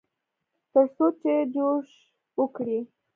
ترڅو چې جوښ وکړي.